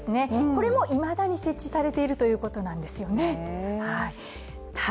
これもいまだに設置されているということなんだそうです。